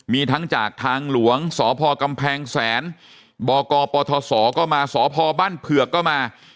มีทั้งจากทางหลวงสพกำแพงแสนบกปทศก็มาสพบ้านเผือกก็มา